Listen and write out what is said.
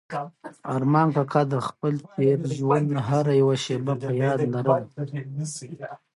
ارمان کاکا د خپل تېر ژوند هره یوه شېبه په یاد لرله.